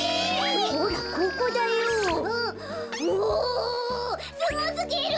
おおすごすぎる！